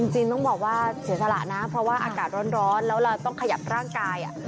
จริงต้องบอกว่าเสียสละนะเพราะว่าอากาศร้อนแล้วเราต้องขยับร่างกาย